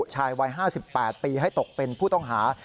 ชายวัย๕๘ปีให้ตกเป็นผู้ต้องหา